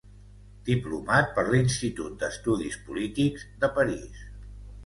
Diplomat per l'Institut d'estudis polítics de París.